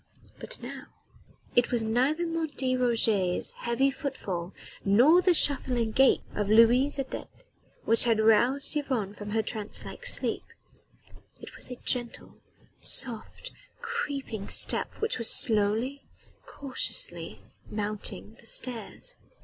But now it was neither Martin Roget's heavy footfall nor the shuffling gait of Louise Adet which had roused Yvonne from her trance like sleep. It was a gentle, soft, creeping step which was slowly, cautiously mounting the stairs.